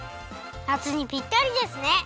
夏にぴったりですね！